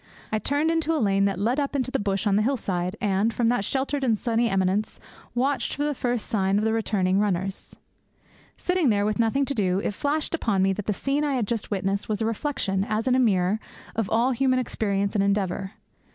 I turned into a lane that led up into the bush on the hillside, and, from that sheltered and sunny eminence, watched for the first sign of the returning runners. Sitting there with nothing to do, it flashed upon me that the scene I had just witnessed was a reflection, as in a mirror, of all human experience and endeavour.